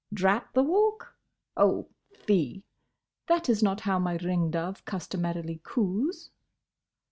—Drat the Walk?—Oh! fie! That is not how my ring dove customarily coos.